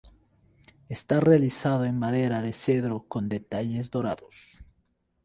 Está realizado en madera de cedro con detalles dorados.